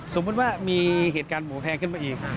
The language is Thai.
สมมุติว่ามีเหตุการณ์หมูแพงขึ้นมาอีก